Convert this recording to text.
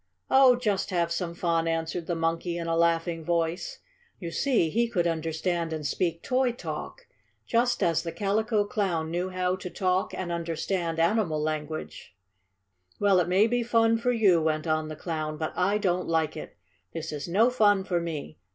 "Oh, just have some fun!" answered the monkey in a laughing voice. You see, he could understand and speak toy talk, just as the Calico Clown knew how to talk and understand animal language. [Illustration with caption: Calico Clown Amuses the Monkey.] "Well, it may be fun for you," went on the Clown, "but I don't like it! This is no fun for me!